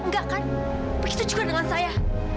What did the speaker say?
enggak kan begitu juga dengan saya